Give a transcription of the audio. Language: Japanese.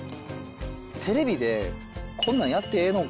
テレビでこんなんやってええのん